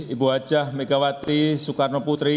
ibu hajah megawati soekarno putri